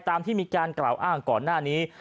ตามที่มีการกล่าวอ้างก่อนหน้านี้